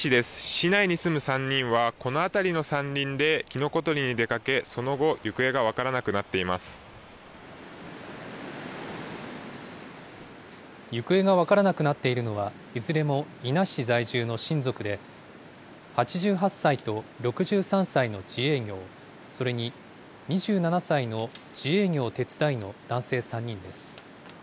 市内に住む３人は、この辺りの山林できのこ採りに出かけ、その後、行方が分からなく行方が分からなくなっているのは、いずれも伊那市在住の親族で、８８歳と６３歳の自営業、それに２７歳の自営業手伝いの男性３人です。